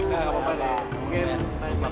gak apa apa dapet